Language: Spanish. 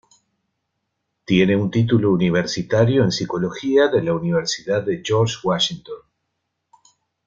Tiene un título universitario en psicología de la Universidad de George Washington.